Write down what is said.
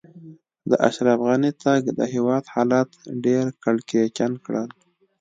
د اشرف غني تګ؛ د هېواد حالات ډېر کړکېچن کړل.